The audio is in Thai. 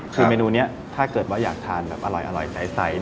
คือเมนูนี้ถ้าเกิดว่าอยากทานแบบอร่อยใส